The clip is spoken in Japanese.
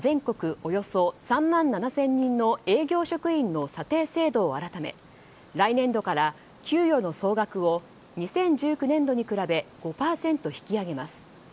およそ３万７０００人の営業職員の査定制度を改め来年度から給与の総額を２０１９年度に比べ５％引き上げます。